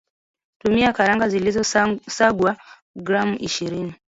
tumia karanga zilizosangwa gram ishirini